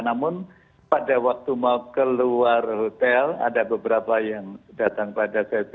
namun pada waktu mau keluar hotel ada beberapa yang datang pada saat itu